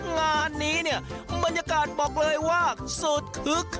งานนี้เนี่ยบรรยากาศบอกเลยว่าสุดคึก